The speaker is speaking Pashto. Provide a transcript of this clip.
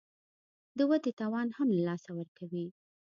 د ودې توان هم له لاسه ورکوي